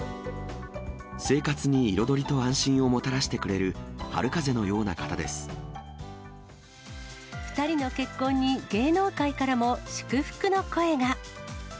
生活に彩りと安心をもたらし２人の結婚に、芸能界からも祝福の声が。